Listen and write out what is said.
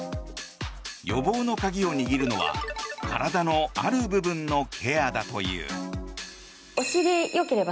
予防の鍵を握るのは体のある部分のケアだという。